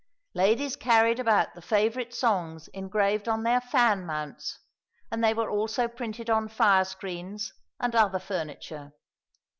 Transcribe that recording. Ladies carried about the favourite songs engraved on their fan mounts, and they were also printed on fire screens and other furniture.